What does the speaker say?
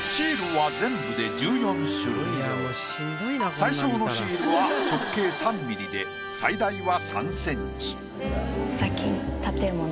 最小のシールは直径３ミリで最大は３センチ。